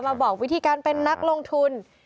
บอกวิธีการเป็นนักลงทุน